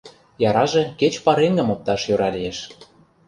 Яраже кеч пареҥгым опташ йӧра лиеш.